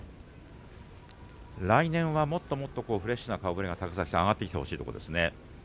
来年はもっともっとフレッシュな顔ぶれが上がってきてほしいですね。